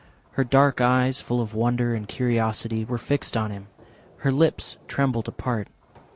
Her dark eyes, full of wonder and curiosity, were fixed on him, her lips trembled apart.